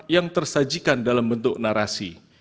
yang tersajikan dalam bentuk narasi